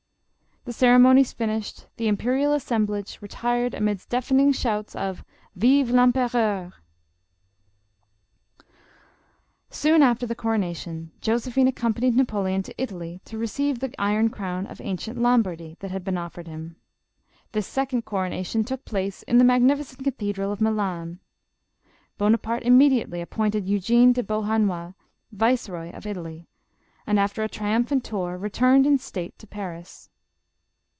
The ceremonies finished, the impe rial assemblage retired amidst deafening shouts of " Vive CEmpereurf" Soon after the coronation, Josephine accompanied Napoleon to Italy to receive the " Iron Crown of An cient Lombardy" that had been offered him. This second coronation took place in the magnificent cathe dral of Milan. Bonaparte immediately appointed Eu gene de Beauharnois Viceroy of Italy, and after a trium phant tour, returned in state to Paris.